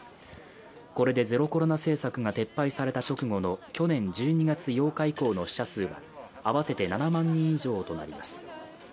これで、ゼロコロナ政策が撤廃された直後の去年１２月８日以降の死者数は合わせて７万人以上となります。